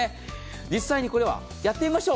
実際にやってみましょう。